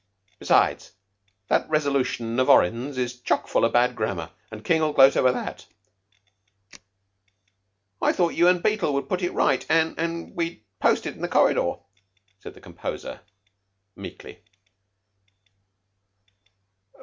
Besides, that resolution of Orrin's is chock full of bad grammar, and King'll gloat over that." "I thought you an' Beetle would put it right, an' an' we'd post it in the corridor," said the composer meekly.